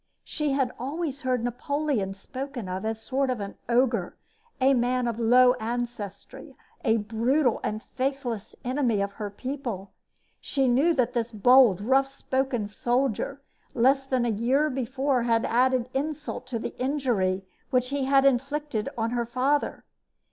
She had always heard Napoleon spoken of as a sort of ogre a man of low ancestry, a brutal and faithless enemy of her people. She knew that this bold, rough spoken soldier less than a year before had added insult to the injury which he had inflicted on her father.